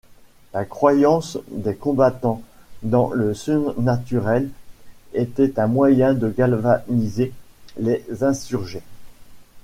La croyance des combattants dans le surnaturel était un moyen de galvaniser les insurgés.